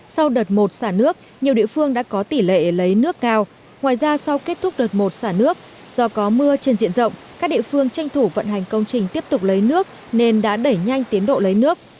sau đợt một xả nước nhiều địa phương đã có tỷ lệ lấy nước cao ngoài ra sau kết thúc đợt một xả nước do có mưa trên diện rộng các địa phương tranh thủ vận hành công trình tiếp tục lấy nước nên đã đẩy nhanh tiến độ lấy nước